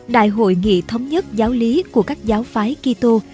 đại hội nghị thống nhất giáo lý của các giáo phái kỹ tô